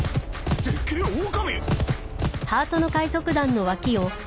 でっけえオオカミ！？